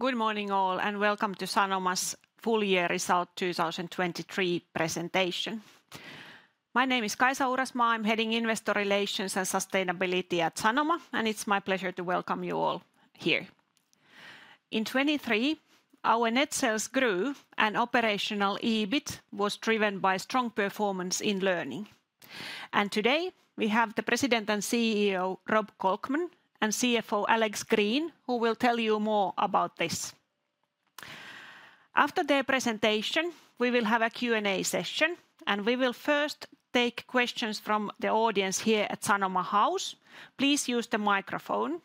Good morning, all, and welcome to Sanoma's full year result 2023 presentation. My name is Kaisa Uurasmaa. I'm heading Investor Relations and Sustainability at Sanoma, and it's my pleasure to welcome you all here. In 2023, our net sales grew, and operational EBIT was driven by strong performance in learning. Today, we have the President and CEO, Rob Kolkman, and CFO, Alex Green, who will tell you more about this. After their presentation, we will have a Q&A session, and we will first take questions from the audience here at Sanoma House. Please use the microphone.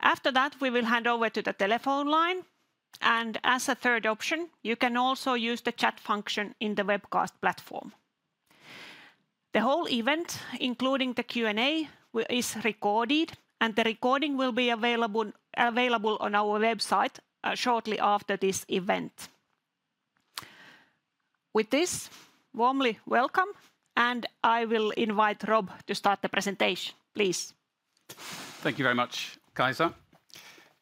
After that, we will hand over to the telephone line, and as a third option, you can also use the chat function in the webcast platform. The whole event, including the Q&A, is recorded, and the recording will be available on our website shortly after this event. With this, warmly welcome, and I will invite Rob to start the presentation. Please. Thank you very much, Kaisa,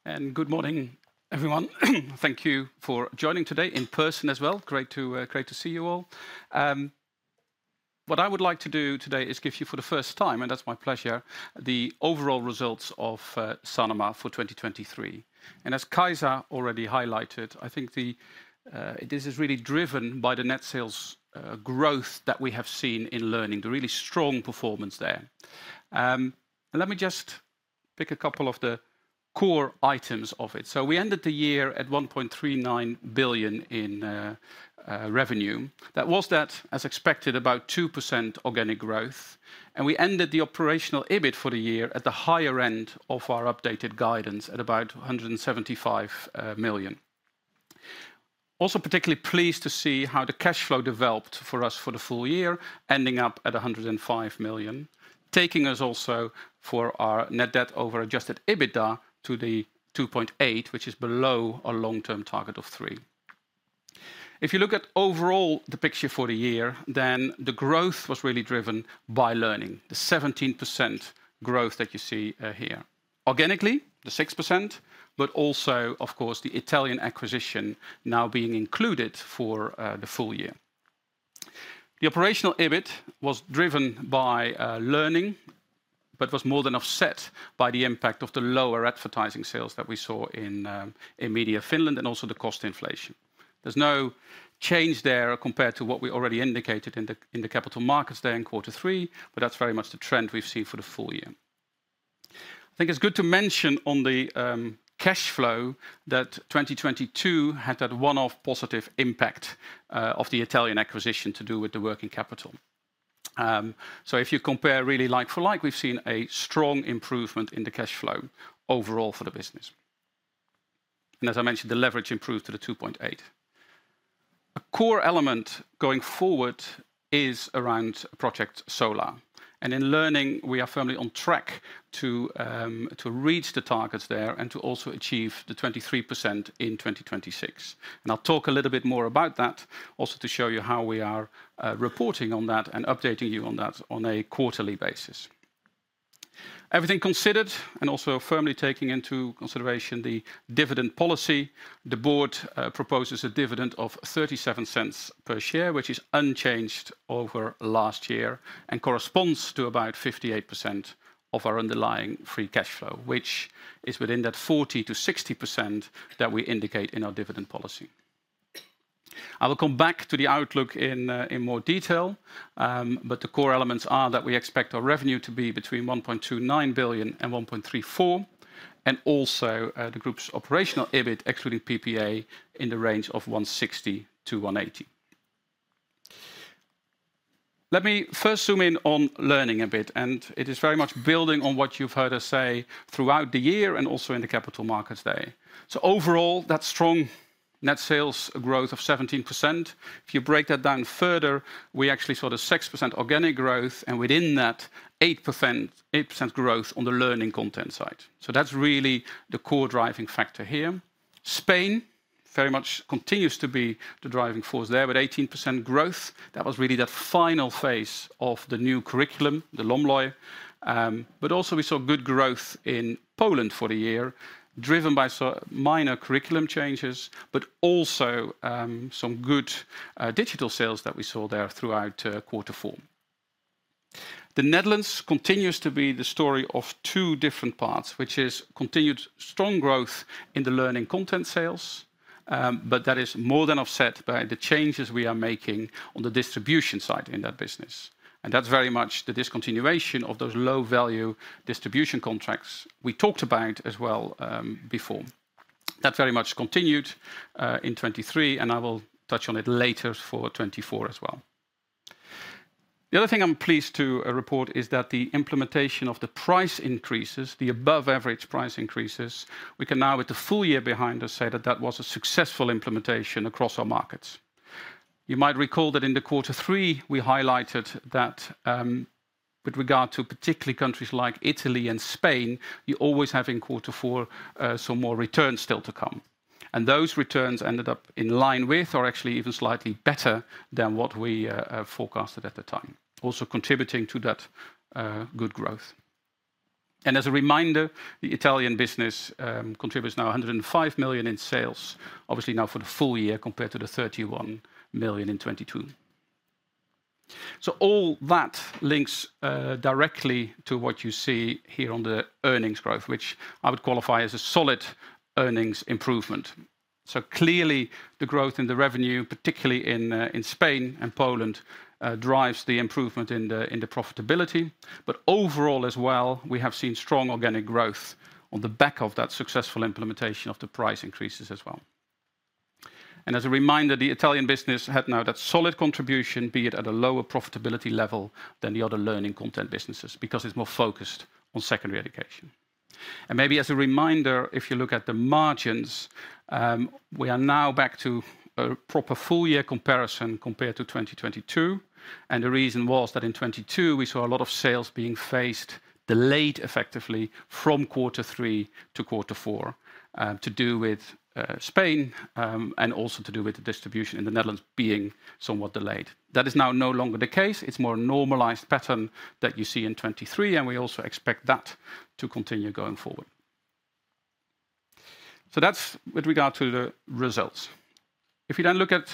and good morning, everyone. Thank you for joining today in person as well. Great to see you all. What I would like to do today is give you, for the first time, and that's my pleasure, the overall results of Sanoma for 2023. As Kaisa already highlighted, I think this is really driven by the net sales growth that we have seen in learning, the really strong performance there. Let me just pick a couple of the core items of it. We ended the year at 1.39 billion in revenue. That was that, as expected, about 2% organic growth, and we ended the operational EBIT for the year at the higher end of our updated guidance at about 175 million. Also, particularly pleased to see how the cash flow developed for us for the full year, ending up at 105 million, taking us also for our Net Debt over Adjusted EBITDA to 2.8, which is below our long-term target of 3. If you look at overall the picture for the year, then the growth was really driven by learning. The 17% growth that you see here. Organically, the 6%, but also, of course, the Italian acquisition now being included for the full year. The Operational EBIT was driven by learning, but was more than offset by the impact of the lower advertising sales that we saw in Media Finland and also the cost inflation. There's no change there compared to what we already indicated in the capital markets there in quarter three, but that's very much the trend we've seen for the full year. I think it's good to mention on the cash flow that 2022 had that one-off positive impact of the Italian acquisition to do with the working capital. So if you compare really like for like, we've seen a strong improvement in the cash flow overall for the business. And as I mentioned, the leverage improved to the 2.8. A core element going forward is around Program Solar, and in learning, we are firmly on track to reach the targets there and to also achieve the 23% in 2026. I'll talk a little bit more about that, also to show you how we are reporting on that and updating you on that on a quarterly basis. Everything considered, and also firmly taking into consideration the dividend policy, the board proposes a dividend of 0.37 per share, which is unchanged over last year and corresponds to about 58% of our underlying free cash flow, which is within that 40%-60% that we indicate in our dividend policy. I will come back to the outlook in more detail, but the core elements are that we expect our revenue to be between 1.29 billion and 1.34 billion, and also the group's operational EBIT, excluding PPA, in the range of 160-180. Let me first zoom in on learning a bit, and it is very much building on what you've heard us say throughout the year and also in the Capital Markets Day. So overall, that strong net sales growth of 17%, if you break that down further, we actually saw the 6% organic growth, and within that, 8%, 8% growth on the learning content side. So that's really the core driving factor here. Spain very much continues to be the driving force there with 18% growth. That was really the final phase of the new curriculum, the LOMLOE. But also we saw good growth in Poland for the year, driven by so minor curriculum changes, but also, some good, digital sales that we saw there throughout, quarter four. The Netherlands continues to be the story of two different parts, which is continued strong growth in the learning content sales, but that is more than offset by the changes we are making on the distribution side in that business. And that's very much the discontinuation of those low-value distribution contracts we talked about as well, before. That very much continued in 2023, and I will touch on it later for 2024 as well. The other thing I'm pleased to report is that the implementation of the price increases, the above average price increases, we can now, with the full year behind us, say that that was a successful implementation across our markets. You might recall that in the quarter three, we highlighted that, with regard to particularly countries like Italy and Spain, you always have in quarter four, some more returns still to come. And those returns ended up in line with or actually even slightly better than what we forecasted at the time. Also contributing to that good growth. And as a reminder, the Italian business contributes now 105 million in sales, obviously now for the full year, compared to the 31 million in 2022. So all that links directly to what you see here on the earnings growth, which I would qualify as a solid earnings improvement. So clearly, the growth in the revenue, particularly in Spain and Poland, drives the improvement in the profitability. But overall as well, we have seen strong organic growth on the back of that successful implementation of the price increases as well. And as a reminder, the Italian business had now that solid contribution, be it at a lower profitability level than the other learning content businesses, because it's more focused on secondary education. And maybe as a reminder, if you look at the margins, we are now back to a proper full year comparison compared to 2022. And the reason was that in 2022, we saw a lot of sales being phased, delayed, effectively, from quarter three to quarter four, to do with Spain, and also to do with the distribution in the Netherlands being somewhat delayed. That is now no longer the case. It's more normalized pattern that you see in 2023, and we also expect that to continue going forward. So that's with regard to the results. If you then look at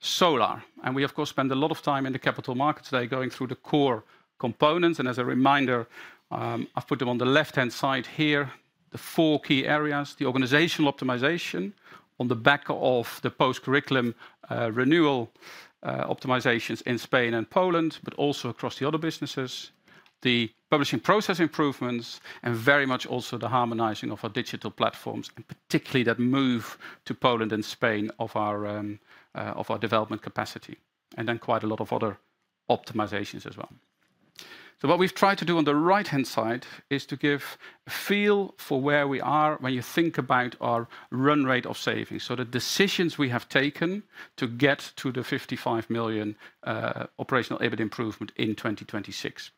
Solar, and we, of course, spend a lot of time in the capital markets today, going through the core components, and as a reminder, I've put them on the left-hand side here, the four key areas: the organizational optimization on the back of the post-curriculum renewal, optimizations in Spain and Poland, but also across the other businesses, the publishing process improvements, and very much also the harmonizing of our digital platforms, and particularly that move to Poland and Spain of our of our development capacity, and then quite a lot of other optimizations as well. So what we've tried to do on the right-hand side is to give feel for where we are when you think about our run rate of savings. So the decisions we have taken to get to the 55 million operational EBIT improvement in 2026.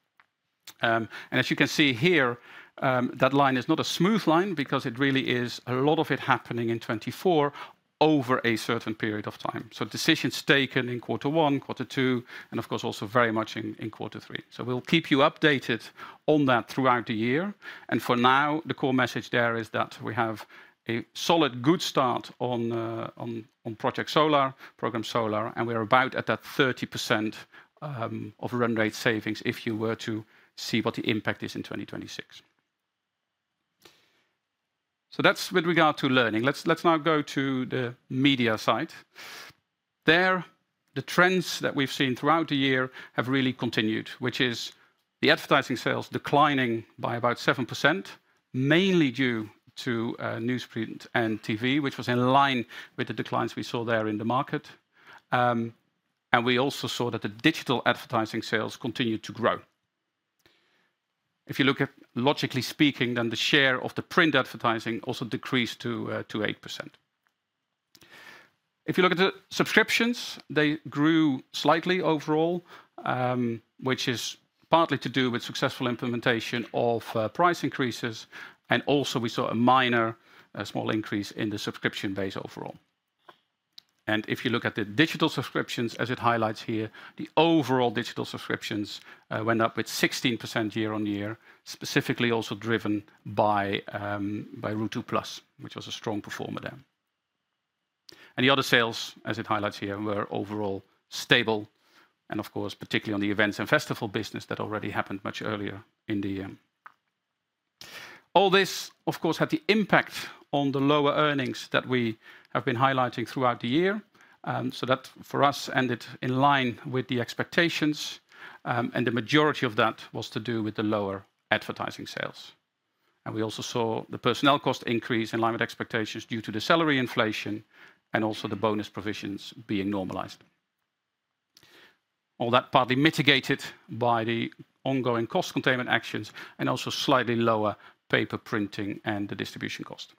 As you can see here, that line is not a smooth line because it really is a lot of it happening in 2024 over a certain period of time. So decisions taken in quarter one, quarter two, and of course, also very much in quarter three. So we'll keep you updated on that throughout the year. For now, the core message there is that we have a solid, good start on Program Solar, and we are about at that 30% of run rate savings if you were to see what the impact is in 2026. So that's with regard to learning. Let's now go to the media side. There, the trends that we've seen throughout the year have really continued, which is the advertising sales declining by about 7%, mainly due to newsprint and TV, which was in line with the declines we saw there in the market. And we also saw that the digital advertising sales continued to grow. If you look at, logically speaking, then the share of the print advertising also decreased to 8%. If you look at the subscriptions, they grew slightly overall, which is partly to do with successful implementation of price increases, and also, we saw a small increase in the subscription base overall. And if you look at the digital subscriptions, as it highlights here, the overall digital subscriptions went up with 16% year-on-year, specifically also driven by Ruutu+, which was a strong performer there. And the other sales, as it highlights here, were overall stable, and of course, particularly on the events and festival business, that already happened much earlier in the year. All this, of course, had the impact on the lower earnings that we have been highlighting throughout the year. So that, for us, ended in line with the expectations, and the majority of that was to do with the lower advertising sales. And we also saw the personnel cost increase in line with expectations due to the salary inflation and also the bonus provisions being normalized. All that partly mitigated by the ongoing cost containment actions and also slightly lower paper printing and the distribution cost.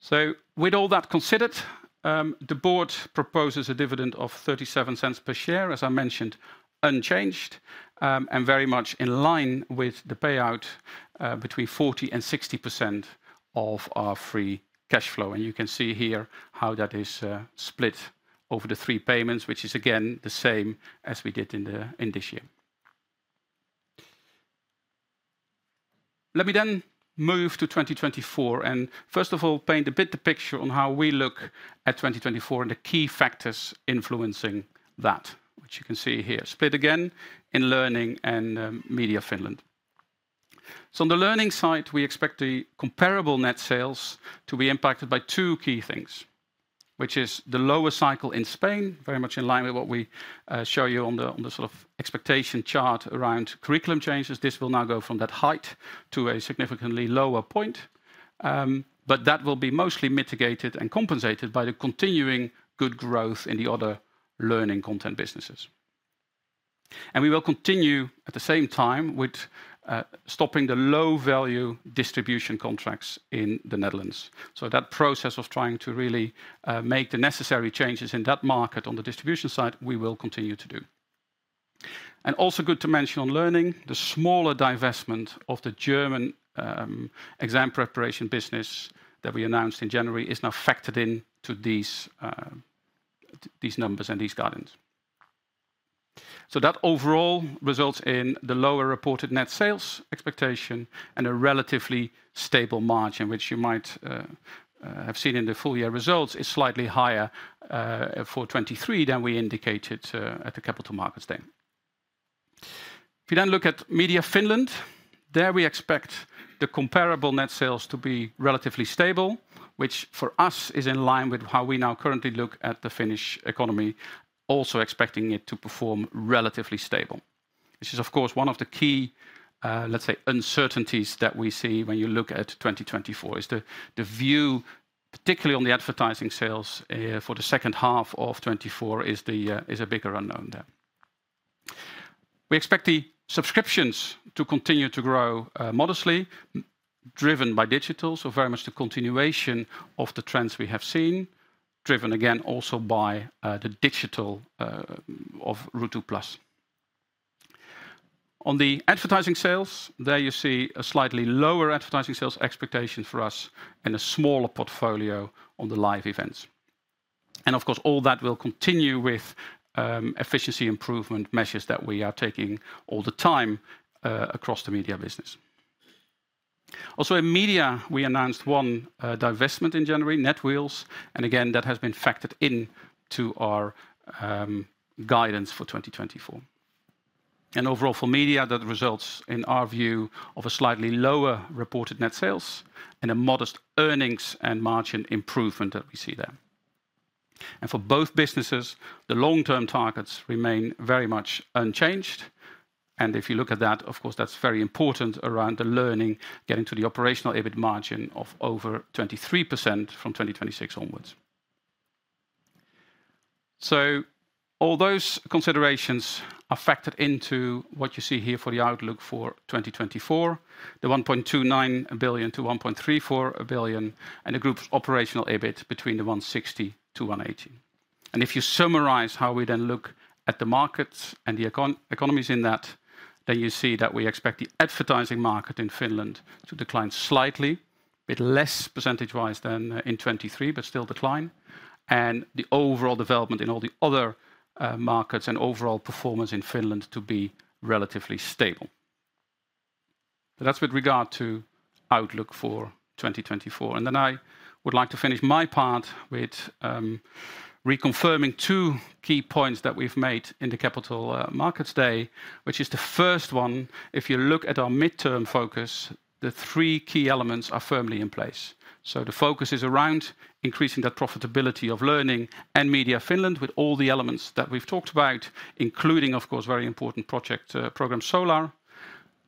So with all that considered, the board proposes a dividend of 0.37 per share, as I mentioned, unchanged, and very much in line with the payout between 40% and 60% of our free cash flow. You can see here how that is split over the three payments, which is again the same as we did in this year. Let me then move to 2024, and first of all, paint a bit the picture on how we look at 2024 and the key factors influencing that, which you can see here, split again in Learning and Media Finland. So on the Learning side, we expect the comparable net sales to be impacted by two key things, which is the lower cycle in Spain, very much in line with what we show you on the sort of expectation chart around curriculum changes. This will now go from that height to a significantly lower point, but that will be mostly mitigated and compensated by the continuing good growth in the other Learning content businesses. And we will continue at the same time with stopping the low-value distribution contracts in the Netherlands. So that process of trying to really make the necessary changes in that market on the distribution side, we will continue to do. And also good to mention on Learning, the smaller divestment of the German exam preparation business that we announced in January is now factored in to these... These numbers and these guidance. So that overall results in the lower reported net sales expectation and a relatively stable margin, which you might have seen in the full year results, is slightly higher for 2023 than we indicated at the Capital Markets Day. If you then look at Media Finland, there we expect the comparable net sales to be relatively stable, which for us is in line with how we now currently look at the Finnish economy, also expecting it to perform relatively stable. This is, of course, one of the key, let's say, uncertainties that we see when you look at 2024, is the, the view, particularly on the advertising sales, for the second half of 2024 is the, is a bigger unknown there. We expect the subscriptions to continue to grow, modestly, driven by digital, so very much the continuation of the trends we have seen, driven again, also by the digital of Ruutu+. On the advertising sales, there you see a slightly lower advertising sales expectation for us and a smaller portfolio on the live events. And of course, all that will continue with efficiency improvement measures that we are taking all the time, across the media business. Also in media, we announced one divestment in January, Netwheels, and again, that has been factored into our guidance for 2024. And overall, for media, that results in our view of a slightly lower reported net sales and a modest earnings and margin improvement that we see there. And for both businesses, the long-term targets remain very much unchanged. If you look at that, of course, that's very important around the Learning, getting to the operational EBIT margin of over 23% from 2026 onwards. So all those considerations are factored into what you see here for the outlook for 2024, the 1.29 billion-1.34 billion, and the group's operational EBIT between 160-180. If you summarize how we then look at the markets and the economies in that, then you see that we expect the advertising market in Finland to decline slightly, a bit less percentage-wise than in 2023, but still decline, and the overall development in all the other markets and overall performance in Finland to be relatively stable. That's with regard to outlook for 2024. I would like to finish my part with reconfirming two key points that we've made in the Capital Markets Day, which is the first one, if you look at our midterm focus, the three key elements are firmly in place. The focus is around increasing the profitability of Learning and Media Finland, with all the elements that we've talked about, including, of course, very important project, program Solar.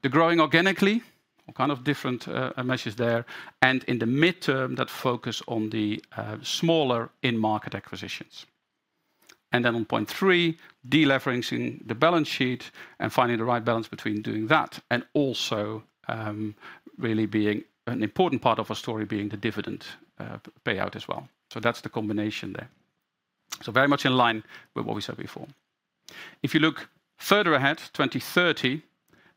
The growing organically, all kind of different measures there, and in the midterm, that focus on the smaller in-market acquisitions. On point three, deleveraging the balance sheet and finding the right balance between doing that and also really being an important part of our story being the dividend payout as well. That's the combination there. Very much in line with what we said before. If you look further ahead, 2030,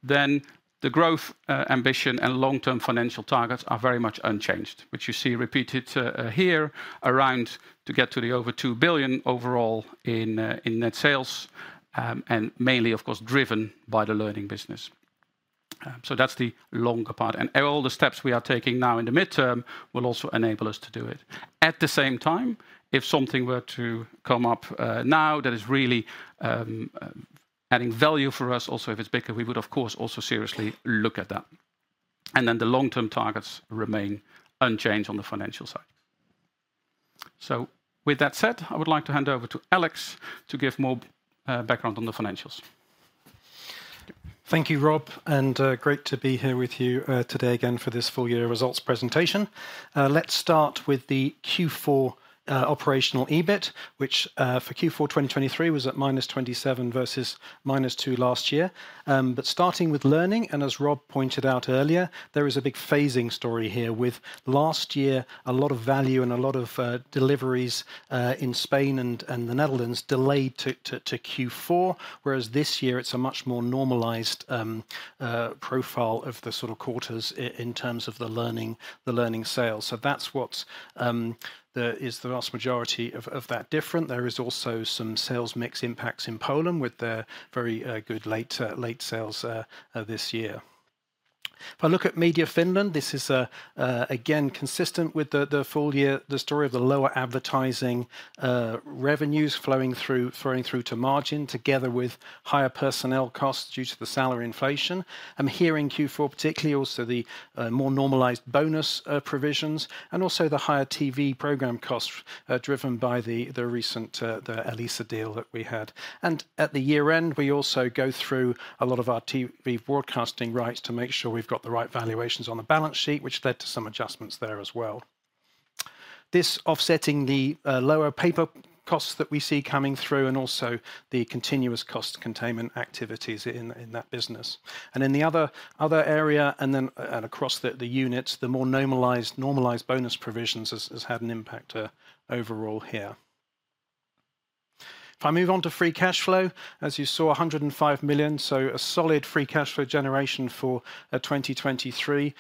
then the growth ambition and long-term financial targets are very much unchanged, which you see repeated here around to get to the over 2 billion overall in net sales, and mainly, of course, driven by the Learning business. So that's the longer part, and all the steps we are taking now in the midterm will also enable us to do it. At the same time, if something were to come up now, that is really adding value for us, also, if it's bigger, we would, of course, also seriously look at that. And then the long-term targets remain unchanged on the financial side. So with that said, I would like to hand over to Alex to give more background on the financials. Thank you, Rob, and great to be here with you today again for this full-year results presentation. Let's start with the Q4 operational EBIT, which for Q4 2023 was at -27 versus -2 last year. But starting with Learning, and as Rob pointed out earlier, there is a big phasing story here with last year, a lot of value and a lot of deliveries in Spain and the Netherlands delayed to Q4, whereas this year it's a much more normalized profile of the sort of quarters in terms of the Learning, the Learning sales. So that's what is the vast majority of that different. There is also some sales mix impacts in Poland with their very good late sales this year. If I look at Media Finland, this is again consistent with the full year, the story of the lower advertising revenues flowing through to margin, together with higher personnel costs due to the salary inflation. Here in Q4, particularly, also the more normalized bonus provisions, and also the higher TV program costs driven by the recent Elisa deal that we had. And at the year-end, we also go through a lot of our TV broadcasting rights to make sure we've got the right valuations on the balance sheet, which led to some adjustments there as well. This offsetting the lower paper costs that we see coming through and also the continuous cost containment activities in that business. In the other area, and then across the units, the more normalized bonus provisions has had an impact overall here. If I move on to free cash flow, as you saw, 105 million, so a solid free cash flow generation for 2023.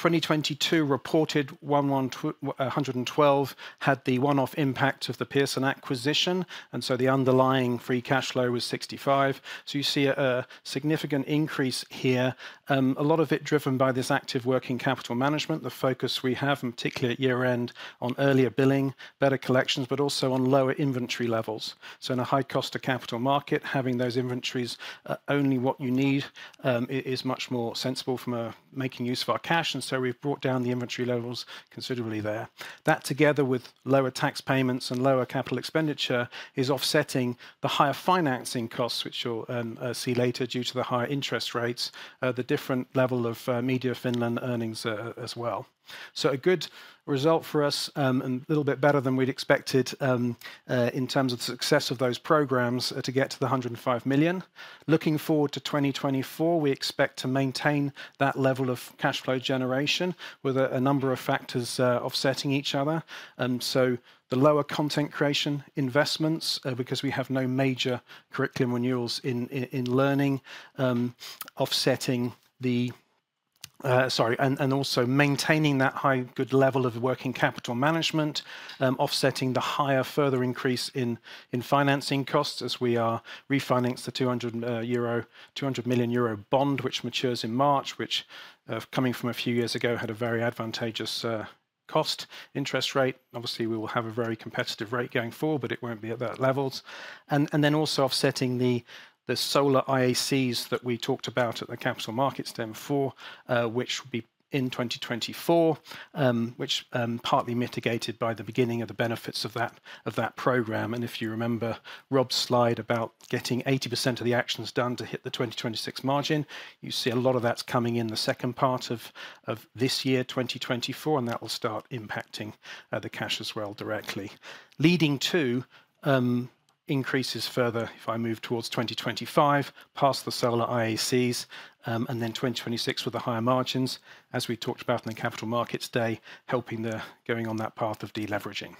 2022 reported 112, had the one-off impact of the Pearson acquisition, and so the underlying free cash flow was 65. So you see a significant increase here. A lot of it driven by this active working capital management, the focus we have, and particularly at year-end, on earlier billing, better collections, but also on lower inventory levels. So in a high cost of capital market, having those inventories only what you need is much more sensible from making use of our cash, and so we've brought down the inventory levels considerably there. That, together with lower tax payments and lower capital expenditure, is offsetting the higher financing costs, which you'll see later due to the higher interest rates, the different level of Media Finland earnings, as well. So a good result for us, and a little bit better than we'd expected, in terms of the success of those programs to get to the 105 million. Looking forward to 2024, we expect to maintain that level of cash flow generation with a number of factors offsetting each other. And so the lower content creation investments, because we have no major curriculum renewals in learning, offsetting the, sorry, and also maintaining that high good level of working capital management, offsetting the higher further increase in financing costs as we are refinancing the 200 million euro bond, which matures in March, which, coming from a few years ago, had a very advantageous cost interest rate. Obviously, we will have a very competitive rate going forward, but it won't be at that levels. And then also offsetting the Solar IACs that we talked about at the capital markets then before, which will be in 2024, which partly mitigated by the beginning of the benefits of that program. And if you remember Rob's slide about getting 80% of the actions done to hit the 2026 margin, you see a lot of that's coming in the second part of this year, 2024, and that will start impacting the cash as well directly. Leading to increases further, if I move towards 2025, past the Solar IACs, and then 2026 with the higher margins, as we talked about in the Capital Markets Day, helping the going on that path of deleveraging.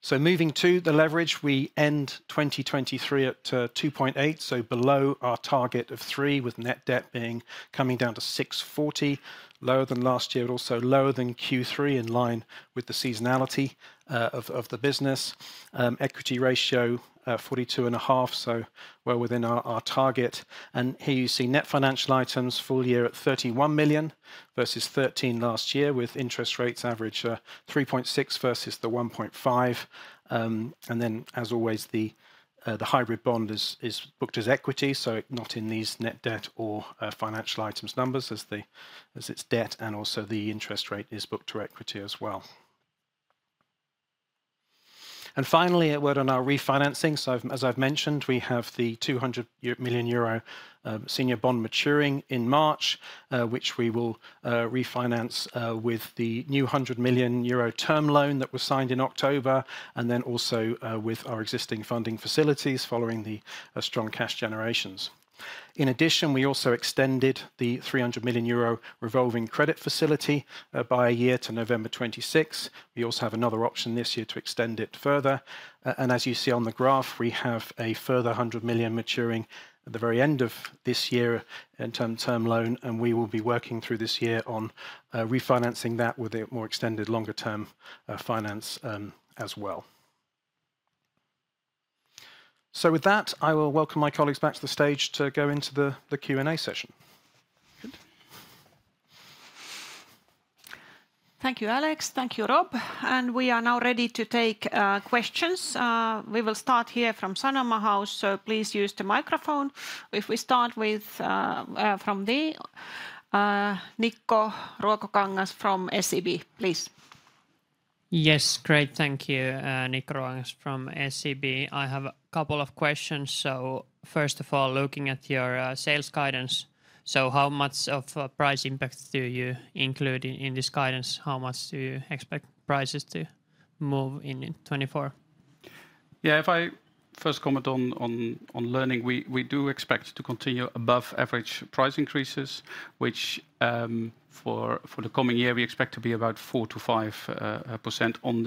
So moving to the leverage, we end 2023 at 2.8, so below our target of 3, with net debt being coming down to 640, lower than last year and also lower than Q3, in line with the seasonality of the business. Equity ratio, 42.5, so well within our, our target. Here you see net financial items, full year at 31 million versus 13 million last year, with interest rates average, 3.6 versus the 1.5. And then as always, the Hybrid Bond is, is booked as equity, so not in these net debt or, financial items numbers as its debt, and also the interest rate is booked to equity as well. And finally, a word on our refinancing. So as I've mentioned, we have the 200 million euro senior bond maturing in March, which we will, refinance, with the new 100 million euro term loan that was signed in October, and then also, with our existing funding facilities following the, strong cash generations. In addition, we also extended the 300 million euro revolving credit facility by a year to November 2026. We also have another option this year to extend it further. And as you see on the graph, we have a further 100 million maturing at the very end of this year in term loan, and we will be working through this year on refinancing that with a more extended, longer-term finance as well. So with that, I will welcome my colleagues back to the stage to go into the Q&A session. Good. Thank you, Alex. Thank you, Rob. And we are now ready to take questions. We will start here from Sanoma House, so please use the microphone. If we start with Nikko Ruokangas from SEB, please. Yes, great. Thank you, Nikko Ruokangas from SEB. I have a couple of questions. First of all, looking at your sales guidance, so how much of a price impact do you include in this guidance? How much do you expect prices to move in 2024? Yeah, if I first comment on learning, we do expect to continue above-average price increases, which, for the coming year, we expect to be about 4%-5% on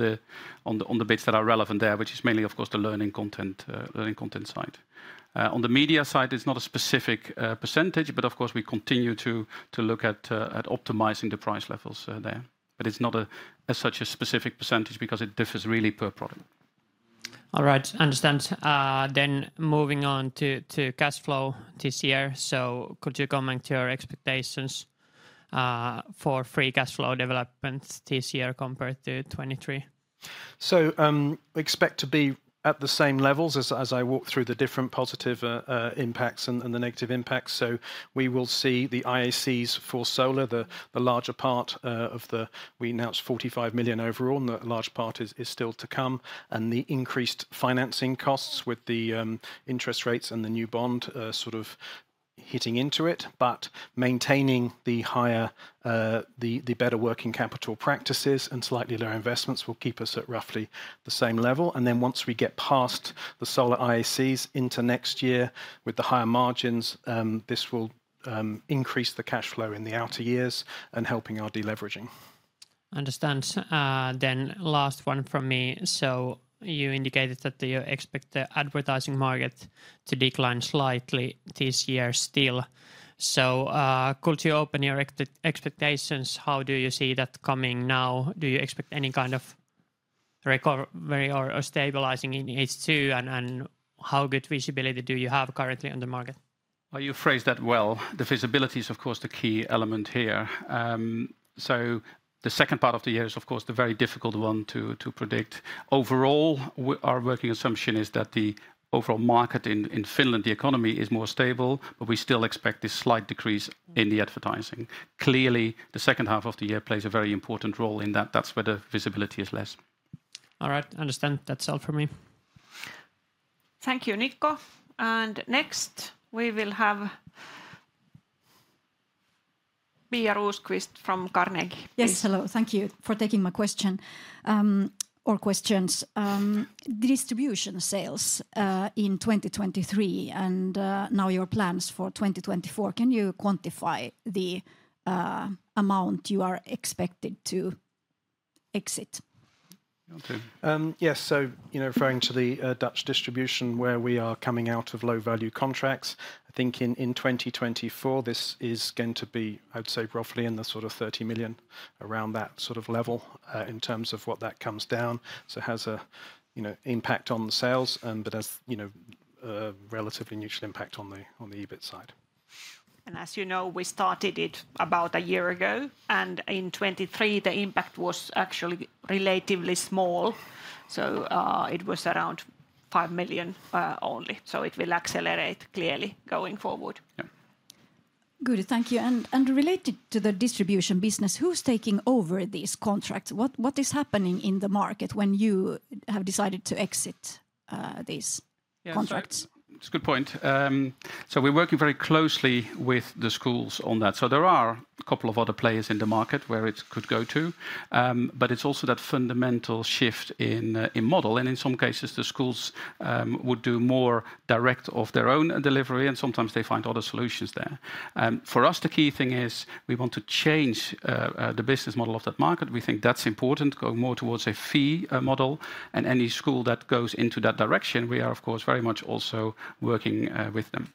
the bits that are relevant there, which is mainly, of course, the learning content side. On the media side, it's not a specific percentage, but of course, we continue to look at optimizing the price levels there. But it's not, as such, a specific percentage because it differs really per product. All right. Understand. Then moving on to cash flow this year, so could you comment your expectations for Free Cash Flow developments this year compared to 2023? So, we expect to be at the same levels as I walk through the different positive impacts and the negative impacts. So we will see the IACs for Solar, the larger part of the. We announced 45 million overall, and a large part is still to come. And the increased financing costs with the interest rates and the new bond sort of hitting into it. But maintaining the higher, the better working capital practices and slightly lower investments will keep us at roughly the same level. Then once we get past the Solar IACs into next year with the higher margins, this will increase the cash flow in the outer years and helping our deleveraging. Understand. Then last one from me. So you indicated that you expect the advertising market to decline slightly this year still. So, could you open your expectations? How do you see that coming now? Do you expect any kind of recovery or stabilizing in H2, and how good visibility do you have currently on the market? Well, you phrased that well. The visibility is, of course, the key element here. So the second part of the year is, of course, the very difficult one to predict. Overall, our working assumption is that the overall market in Finland, the economy is more stable, but we still expect a slight decrease in the advertising. Clearly, the second half of the year plays a very important role in that. That's where the visibility is less. All right, understand. That's all for me. Thank you, Nikko. Next, we will have Pia Rosqvist from Carnegie. Yes, hello. Thank you for taking my question or questions. The distribution sales in 2023 and now your plans for 2024, can you quantify the amount you are expected to exit? Yes. So, you know, referring to the Dutch distribution, where we are coming out of low-value contracts, I think in 2024, this is going to be, I'd say, roughly in the sort of 30 million, around that sort of level, in terms of what that comes down. So it has a, you know, impact on the sales, but as, you know, a relatively neutral impact on the EBIT side. As you know, we started it about a year ago, and in 2023, the impact was actually relatively small. So, it was around 5 million only, so it will accelerate clearly going forward. Yeah. Good. Thank you. And related to the distribution business, who's taking over these contracts? What is happening in the market when you have decided to exit these contracts? Yeah, it's a good point. So we're working very closely with the schools on that. So there are a couple of other players in the market where it could go to. But it's also that fundamental shift in model, and in some cases, the schools would do more direct of their own delivery, and sometimes they find other solutions there. For us, the key thing is we want to change the business model of that market. We think that's important, going more towards a fee model, and any school that goes into that direction, we are of course, very much also working with them.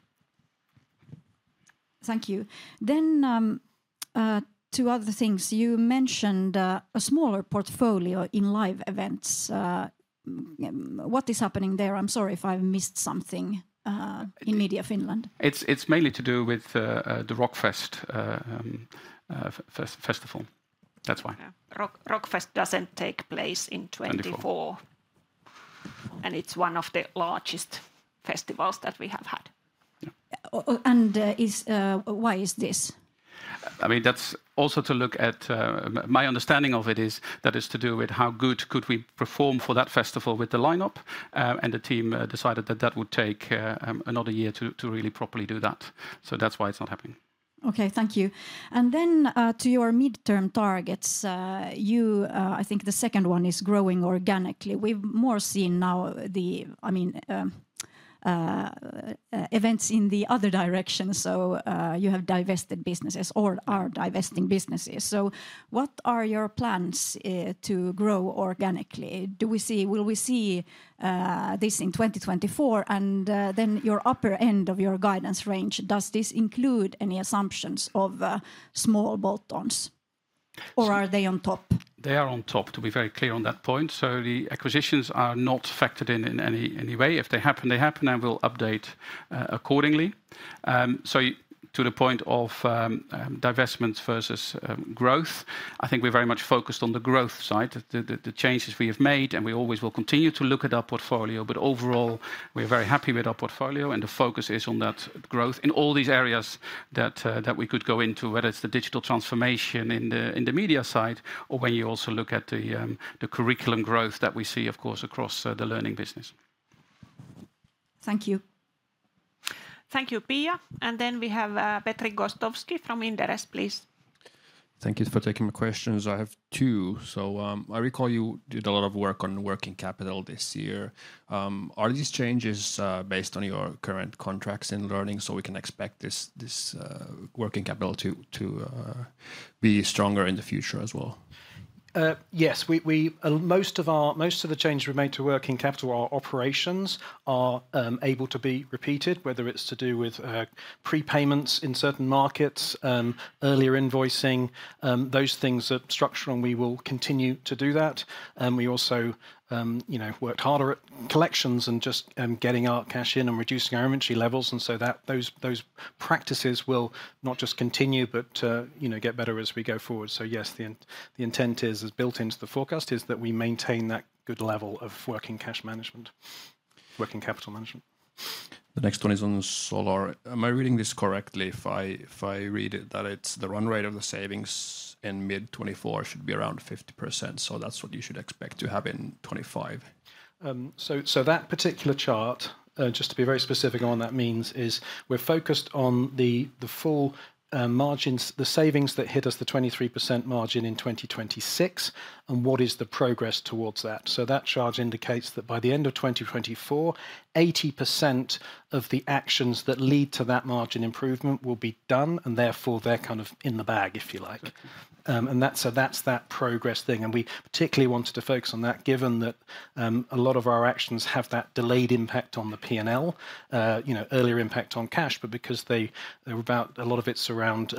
Thank you. Then, two other things. You mentioned a smaller portfolio in live events. What is happening there? I'm sorry if I missed something in Media Finland. It's mainly to do with the Rockfest festival. That's why. Yeah, Rockfest doesn't take place in 2024. Twenty twenty-four. It's one of the largest festivals that we have had. Yeah. Oh, and, is... Why is this? I mean, that's also to look at. My understanding of it is that is to do with how good could we perform for that festival with the lineup. And the team decided that that would take another year to really properly do that. So that's why it's not happening. Okay, thank you. Then, to your midterm targets, you, I think the second one is growing organically. We've more seen now the, I mean, events in the other direction. You have divested businesses or are divesting businesses. What are your plans to grow organically? Do we see, will we see this in 2024? Then, your upper end of your guidance range, does this include any assumptions of small bolt-ons, or are they on top? They are on top, to be very clear on that point. So the acquisitions are not factored in in any, any way. If they happen, they happen, and we'll update accordingly. So to the point of divestment versus growth, I think we're very much focused on the growth side, the changes we have made, and we always will continue to look at our portfolio. But overall, we're very happy with our portfolio, and the focus is on that growth in all these areas that we could go into, whether it's the digital transformation in the media side or when you also look at the curriculum growth that we see, of course, across the learning business. Thank you. Thank you, Pia. And then we have, Petri Gostowski from Inderes, please. Thank you for taking my questions. I have two. I recall you did a lot of work on working capital this year. Are these changes based on your current contracts in learning, so we can expect this working capital to be stronger in the future as well? Yes. Most of the changes we made to working capital, our operations are able to be repeated, whether it's to do with prepayments in certain markets, earlier invoicing. Those things are structural, and we will continue to do that. We also, you know, work harder at collections and just getting our cash in and reducing our inventory levels, and so those practices will not just continue but, you know, get better as we go forward. So yes, the intent is, as built into the forecast, that we maintain that good level of working capital management. The next one is on Solar. Am I reading this correctly? If I read it, that it's the run rate of the savings in mid-2024 should be around 50%, so that's what you should expect to have in 2025. So that particular chart, just to be very specific on what that means, is we're focused on the full margins, the savings that hit us, the 23% margin in 2026, and what is the progress towards that. So that chart indicates that by the end of 2024, 80% of the actions that lead to that margin improvement will be done, and therefore, they're kind of in the bag, if you like. And that's, so that's that progress thing, and we particularly wanted to focus on that, given that a lot of our actions have that delayed impact on the P&L. You know, earlier impact on cash, but because they were about... A lot of it's around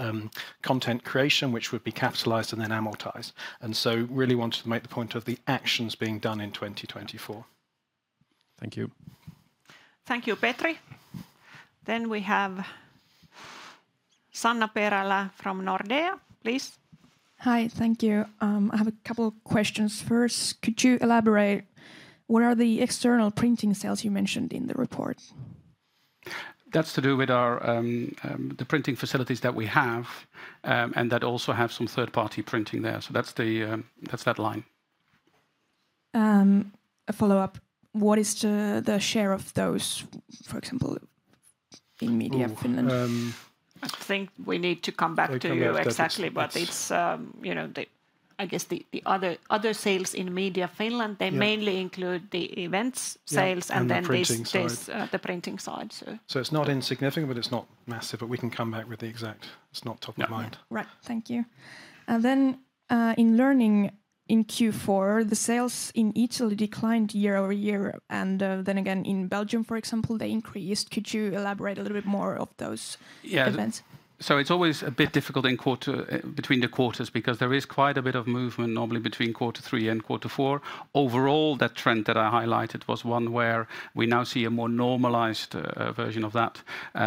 content creation, which would be capitalized and then amortized. And so really wanted to make the point of the actions being done in 2024. Thank you. Thank you, Petri. Then we have Sanna Perälä from Nordea, please. Hi, thank you. I have a couple questions. First, could you elaborate what are the external printing sales you mentioned in the report? That's to do with our printing facilities that we have, and that also have some third-party printing there. So that's that line. A follow-up: What is the share of those, for example, in Media Finland? Ooh, um- I think we need to come back to you exactly- We'll come back to that, yes. but it's, you know, I guess the other sales in Media Finland. Yeah they mainly include the events, sales- Yeah The printing side. And then there's the printing side, so. It's not insignificant, but it's not massive, but we can come back with the exact... It's not top of mind. Yeah. Right. Thank you. And then, in Learning, in Q4, the sales in Italy declined year-over-year, and, then again, in Belgium, for example, they increased. Could you elaborate a little bit more of those events? Yeah. So it's always a bit difficult in quarter, between the quarters, because there is quite a bit of movement, normally between quarter three and quarter four. Overall, that trend that I highlighted was one where we now see a more normalized version of that.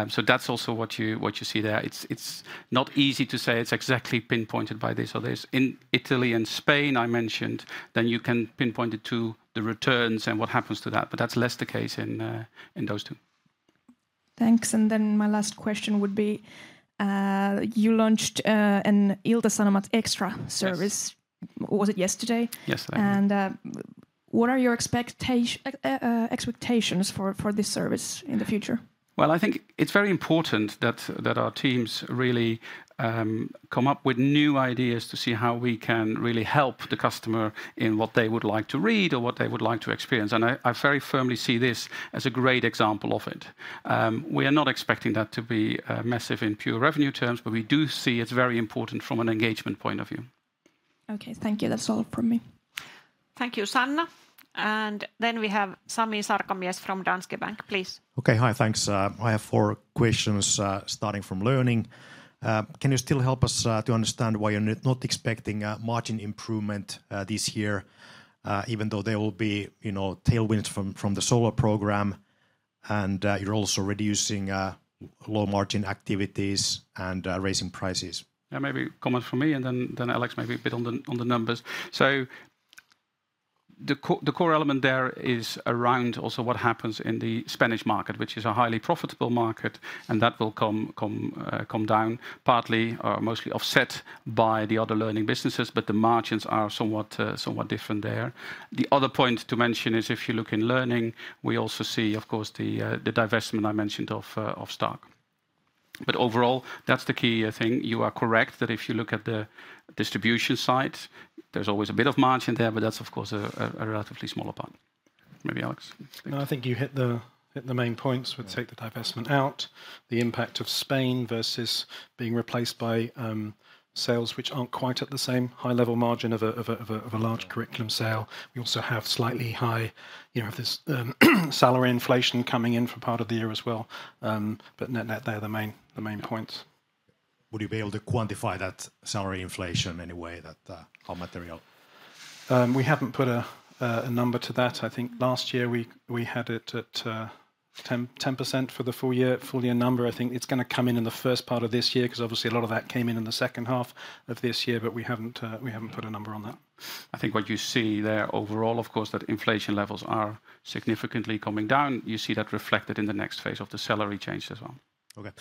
So that's also what you, what you see there. It's not easy to say it's exactly pinpointed by this or this. In Italy and Spain, I mentioned, then you can pinpoint it to the returns and what happens to that, but that's less the case in, in those two. Thanks. And then my last question would be, you launched, an Ilta-Sanomat Extra service- Yes was it yesterday? Yes. What are your expectations for this service in the future? Well, I think it's very important that our teams really come up with new ideas to see how we can really help the customer in what they would like to read or what they would like to experience, and I very firmly see this as a great example of it. We are not expecting that to be massive in pure revenue terms, but we do see it's very important from an engagement point of view. Okay. Thank you. That's all from me. Thank you, Sanna. And then we have Sami Sarkamies from Danske Bank. Please. Okay. Hi, thanks. I have four questions, starting from Learning. Can you still help us to understand why you're not expecting a margin improvement this year, even though there will be, you know, tailwinds from the Solar program, and you're also reducing low-margin activities and raising prices? Yeah, maybe a comment from me, and then Alex, maybe a bit on the numbers. So the core element there is around also what happens in the Spanish market, which is a highly profitable market, and that will come down, partly or mostly offset by the other learning businesses, but the margins are somewhat different there. The other point to mention is, if you look in learning, we also see, of course, the divestment I mentioned of stock. But overall, that's the key, I think. You are correct, that if you look at the distribution side, there's always a bit of margin there, but that's, of course, a relatively smaller part. Maybe Alex? No, I think you hit the main points- Mm-hmm... would take the divestment out, the impact of Spain versus being replaced by sales, which aren't quite at the same high level margin of a large curriculum sale. We also have slightly high, you know, this salary inflation coming in for part of the year as well. But net-net, they are the main points. Would you be able to quantify that salary inflation in any way, that raw material? We haven't put a number to that. I think last year we had it at 10% for the full year, full year number. I think it's gonna come in in the first part of this year, 'cause obviously a lot of that came in in the second half of this year, but we haven't put a number on that. I think what you see there overall, of course, that inflation levels are significantly coming down. You see that reflected in the next phase of the salary change as well. Okay.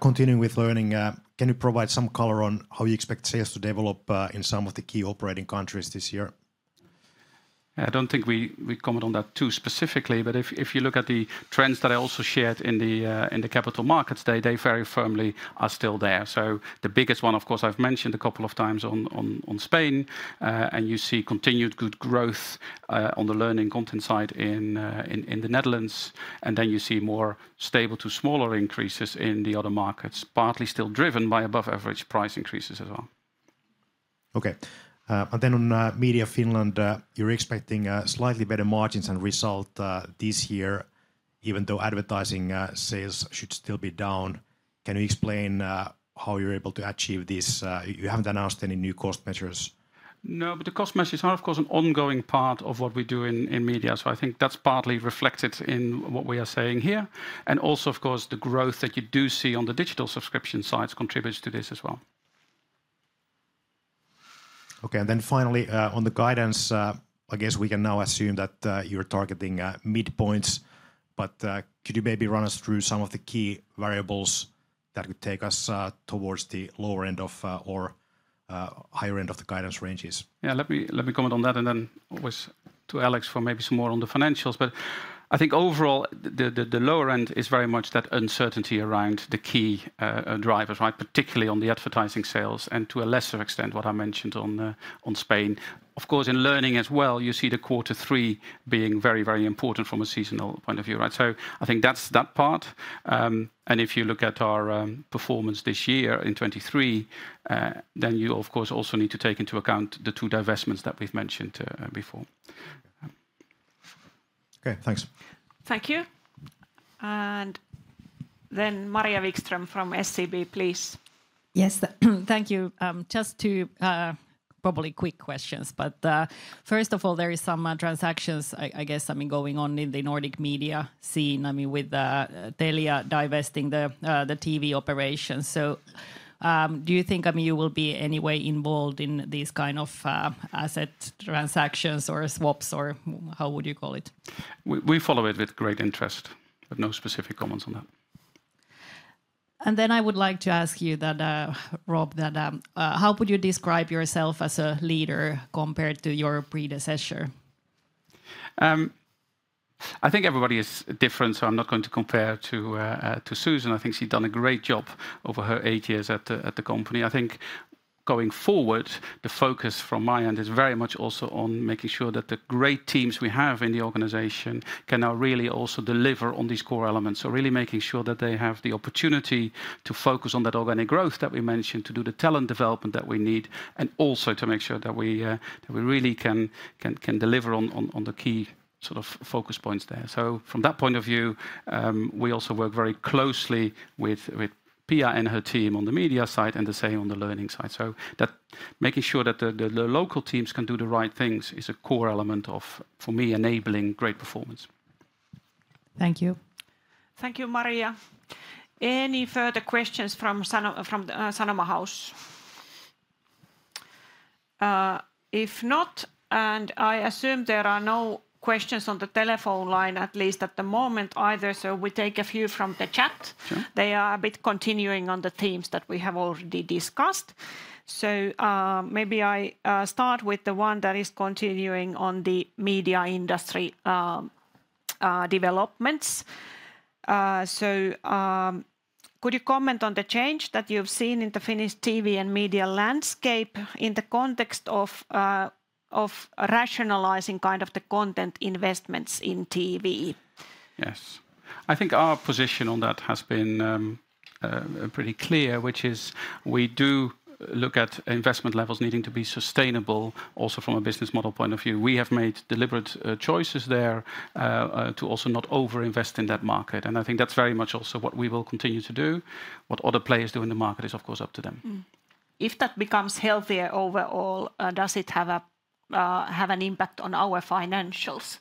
Continuing with Learning, can you provide some color on how you expect sales to develop in some of the key operating countries this year? I don't think we comment on that too specifically, but if you look at the trends that I also shared in the capital markets day, they very firmly are still there. So the biggest one, of course, I've mentioned a couple of times on Spain, and you see continued good growth on the learning content side in the Netherlands, and then you see more stable to smaller increases in the other markets, partly still driven by above average price increases as well. Okay. And then on Media Finland, you're expecting slightly better margins and result this year, even though advertising sales should still be down. Can you explain how you're able to achieve this? You haven't announced any new cost measures. No, but the cost measures are, of course, an ongoing part of what we do in media, so I think that's partly reflected in what we are saying here. And also, of course, the growth that you do see on the digital subscription sides contributes to this as well. Okay, and then finally, on the guidance, I guess we can now assume that you're targeting midpoints, but could you maybe run us through some of the key variables that could take us towards the lower end of or higher end of the guidance ranges? Yeah, let me comment on that, and then obviously to Alex for maybe some more on the financials. But I think overall, the lower end is very much that uncertainty around the key drivers, right, particularly on the advertising sales, and to a lesser extent, what I mentioned on Spain. Of course, in Learning as well, you see quarter three being very, very important from a seasonal point of view, right? So I think that's that part. And if you look at our performance this year in 2023, then you, of course, also need to take into account the two divestments that we've mentioned before. Okay, thanks. Thank you. And then Maria Wikström from SEB, please. Yes, thank you. Just two, probably quick questions. But first of all, there is some transactions, I guess, I mean, going on in the Nordic media scene. I mean, with Telia divesting the TV operations. So, do you think, I mean, you will be any way involved in these kind of asset transactions or swaps, or how would you call it? We follow it with great interest, but no specific comments on that. And then I would like to ask you, Rob, how would you describe yourself as a leader compared to your predecessor? I think everybody is different, so I'm not going to compare to Susan. I think she'd done a great job over her eight years at the company. I think going forward, the focus from my end is very much also on making sure that the great teams we have in the organization can now really also deliver on these core elements. So really making sure that they have the opportunity to focus on that organic growth that we mentioned, to do the talent development that we need, and also to make sure that we that we really can deliver on the key sort of focus points there. So from that point of view, we also work very closely with Pia and her team on the media side, and the same on the learning side. So that making sure that the local teams can do the right things is a core element of, for me, enabling great performance. Thank you. Thank you, Maria. Any further questions from Sanoma House? If not, and I assume there are no questions on the telephone line, at least at the moment either, so we take a few from the chat. Sure. They are a bit continuing on the themes that we have already discussed. So, maybe I start with the one that is continuing on the media industry developments. So, could you comment on the change that you've seen in the Finnish TV and media landscape in the context of rationalizing kind of the content investments in TV? Yes. I think our position on that has been pretty clear, which is we do look at investment levels needing to be sustainable also from a business model point of view. We have made deliberate choices there to also not over-invest in that market, and I think that's very much also what we will continue to do. What other players do in the market is, of course, up to them. If that becomes healthier overall, does it have an impact on our financials?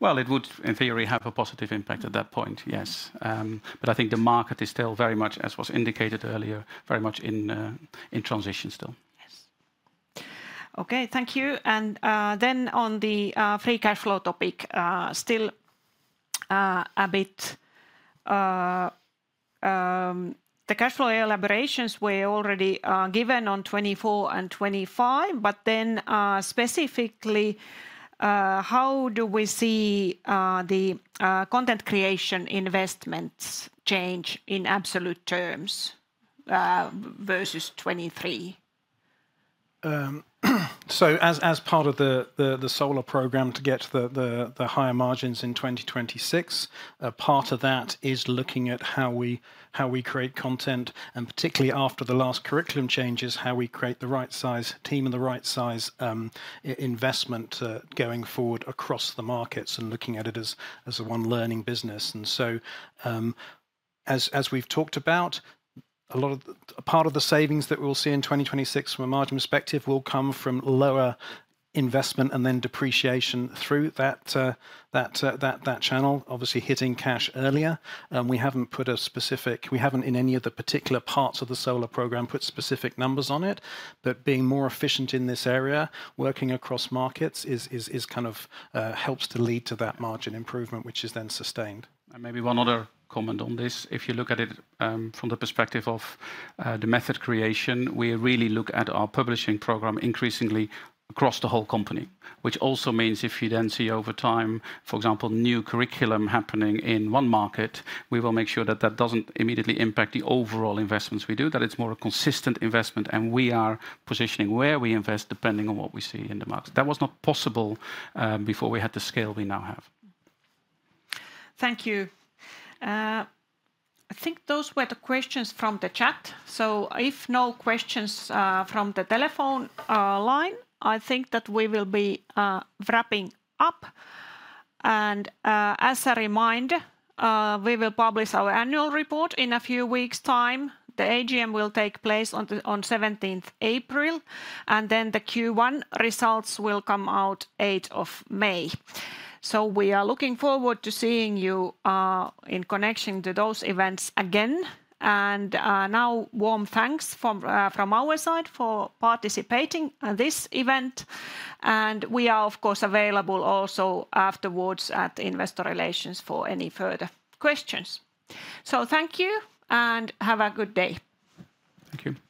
Well, it would, in theory, have a positive impact at that point, yes. But I think the market is still very much, as was indicated earlier, very much in transition still. Yes. Okay, thank you. Then on the Free Cash Flow topic, still a bit. The cash flow elaborations were already given on 2024 and 2025, but then, specifically, how do we see the content creation investments change in absolute terms versus 2023? So as part of the Solar Program to get the higher margins in 2026, a part of that is looking at how we create content, and particularly after the last curriculum changes, how we create the right size team and the right size investment going forward across the markets and looking at it as a one learning business. And so, as we've talked about, a lot of the savings that we'll see in 2026 from a margin perspective will come from lower investment and then depreciation through that channel, obviously hitting cash earlier. We haven't put a specific—we haven't, in any of the particular parts of the Solar Program, put specific numbers on it. But being more efficient in this area, working across markets, is kind of helps to lead to that margin improvement, which is then sustained. Maybe one other comment on this. If you look at it, from the perspective of, the method creation, we really look at our publishing program increasingly across the whole company. Which also means if you then see over time, for example, new curriculum happening in one market, we will make sure that that doesn't immediately impact the overall investments we do, that it's more a consistent investment, and we are positioning where we invest, depending on what we see in the market. That was not possible, before we had the scale we now have. Thank you. I think those were the questions from the chat, so if no questions from the telephone line, I think that we will be wrapping up. And, as a reminder, we will publish our annual report in a few weeks' time. The AGM will take place on the 17th April, and then the Q1 results will come out 8th of May. So we are looking forward to seeing you in connection to those events again. And, now warm thanks from our side for participating in this event. And we are, of course, available also afterwards at Investor Relations for any further questions. So thank you, and have a good day. Thank you.